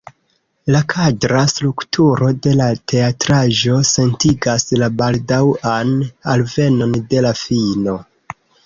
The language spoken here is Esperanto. La kadra strukturo de la teatraĵo sentigas la baldaŭan alvenon de la fino.